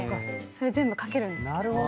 それ全部かけるんです。